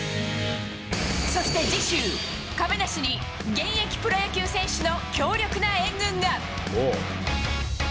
そして次週、亀梨に現役プロ野球選手の強力な援軍が。